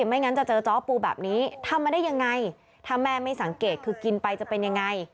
ไม่งั้นจะเจอจ้อปูแบบนี้ทำมาได้ยังไงถ้าแม่ไม่สังเกตคือกินไปจะเป็นยังไง